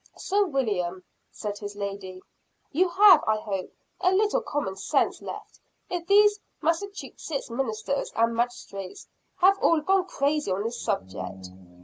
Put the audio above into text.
"Sir William," said his lady, "you have, I hope, a little common sense left, if these Massachusetts ministers and magistrates have all gone crazy on this subject.